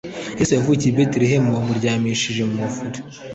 Yesu yavukiye I betelehemu bamuryamishije mumuvure